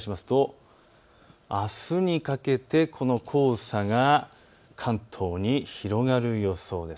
動かしますとあすにかけて黄砂が関東に広がる予想です。